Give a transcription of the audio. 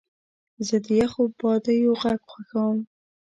زه د یخو بادیو غږ خوښوم.